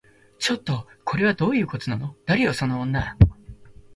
ちょっと、これはどういうことなの？誰よその女